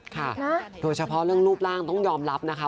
ค่ะโดยเฉพาะเรื่องรูปร่างต้องยอมรับนะคะ